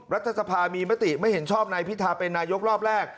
รัฐสภามีมติไม่เห็นชอบนายพิธาเป็นนายกรอบแรก